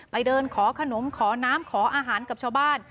เดินขอขนมขอน้ำขออาหารกับชาวบ้าน